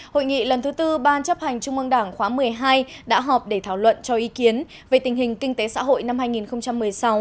hội nghị lần thứ tư ban chấp hành trung ương đảng khóa một mươi hai đã họp để thảo luận cho ý kiến về tình hình kinh tế xã hội năm hai nghìn một mươi sáu